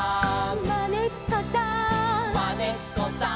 「まねっこさん」